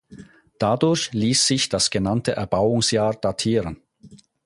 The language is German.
Dadurch ließ sich das genannte Erbauungsjahr datieren.